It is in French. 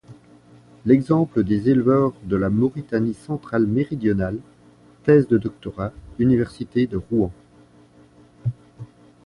L'exemple des éleveurs de la Mauritanie centrale méridionale, Thèse de Doctorat, Université de Rouen.